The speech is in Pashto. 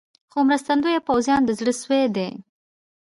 خو مرستندویه پوځیان د زړه سوي دي.